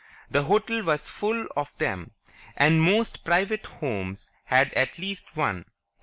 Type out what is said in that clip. The hotel was full of them, and most private homes had at least one.